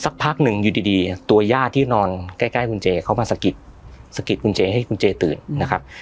เขามาสกิดสกิดคุณเจ๊ให้คุณเจ๊ตื่นนะครับ